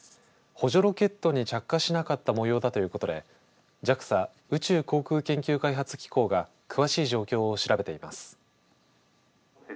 補助ロケットに着火しなかったもようだということでＪＡＸＡ宇宙航空研究開発機構が詳しい状況を調べています。